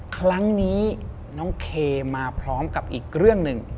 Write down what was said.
ครั้งนี้น้องเคมาพร้อมกับอีกเรื่องหนึ่ง